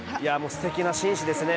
すてきな紳士ですね